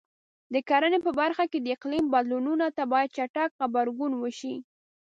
د کرنې په برخه کې د اقلیم بدلونونو ته باید چټک غبرګون وشي.